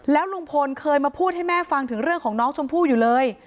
แล้วลุงพลเคยมาพูดให้แม่ฟังถึงเรื่องของน้องชมพู่อยู่เลย